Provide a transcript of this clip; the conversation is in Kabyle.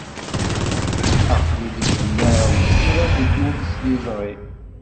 Aql-it deg unnar n tira akked usliẓri.